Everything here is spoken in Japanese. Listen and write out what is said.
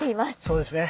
そうですね。